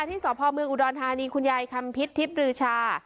ที่สพเมืองอุดรธานีคุณยายคำพิษทิพย์รือชา